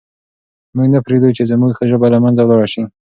موږ نه پرېږدو چې زموږ ژبه له منځه ولاړه سي.